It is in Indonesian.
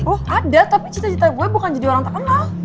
loh ada tapi cita cita gue bukan jadi orang tak kenal